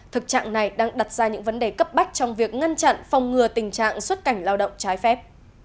thực trạng này đang đặt ra những vấn đề cấp bách trong việc ngăn chặn phòng ngừa tình trạng xuất cảnh lao động trái phép